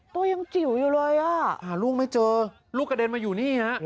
ตัวยังจิ๋วอยู่เลยอ่ะหาลูกไม่เจอลูกกระเด็นมาอยู่นี่ฮะ